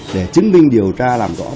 để chứng minh điều tra làm rõ